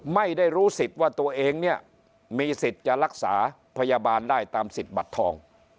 ไม่ได้รู้สิทธิ์ว่าตัวเองเนี่ยมีสิทธิ์จะรักษาพยาบาลได้ตามสิทธิ์บัตรทอง